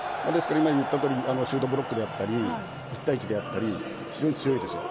今言ったとおりシュートブロックであったり一対一であったり非常に強いですよ。